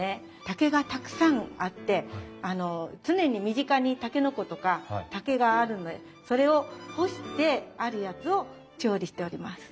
竹がたくさんあって常に身近にタケノコとか竹があるんでそれを干してあるやつを調理しております。